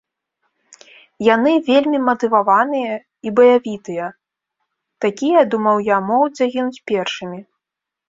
Яны вельмі матываваныя і баявітыя, такія, думаў я, могуць загінуць першымі.